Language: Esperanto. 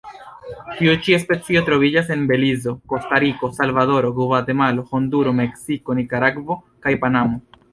Tiu ĉi specio troviĝas en Belizo, Kostariko, Salvadoro, Gvatemalo, Honduro, Meksiko, Nikaragvo kaj Panamo.